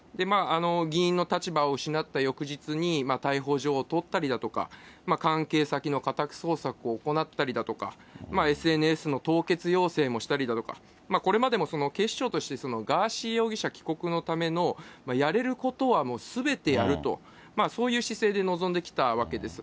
議員の立場を失った翌日に逮捕状を取ったりだとか、関係先の家宅捜索を行ったりだとか、ＳＮＳの凍結要請もしたりだとか、これまでも警視庁としてガーシー容疑者帰国のためのやれることはもうすべてやると、そういう姿勢で臨んできたわけです。